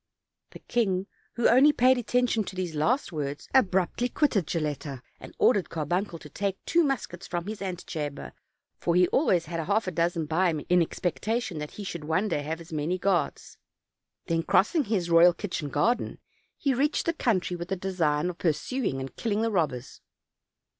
The king, who only paid attention to these last words, abruptly quitted Gilletta, and ordered Carbuncle to take two muskets from his antechamber, for he always had half a dozen by him in expectation that he should one day have as many guards. Then, crossing his royal kitchen garden, he reached the country with the design of pursuing and killing the robbers.